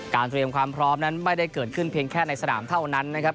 เตรียมความพร้อมนั้นไม่ได้เกิดขึ้นเพียงแค่ในสนามเท่านั้นนะครับ